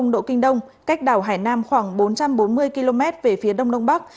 một trăm một mươi năm độ kinh đông cách đảo hải nam khoảng bốn trăm bốn mươi km về phía đông đông bắc